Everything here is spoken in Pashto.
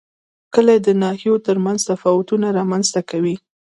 کلي د ناحیو ترمنځ تفاوتونه رامنځ ته کوي.